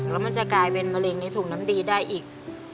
แล้วมันจะกลายเป็นมะเร็งในถุงน้ำดีได้อีก